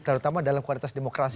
terutama dalam kualitas demokrasi